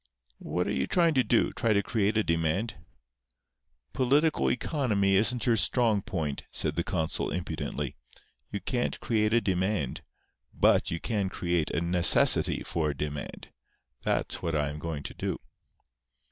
"What are you going to do—try to create a demand?" "Political economy isn't your strong point," said the consul, impudently. "You can't create a demand. But you can create a necessity for a demand. That's what I am going to do."